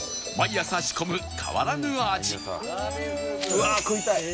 うわあ食いたい！